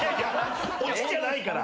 オチじゃないから。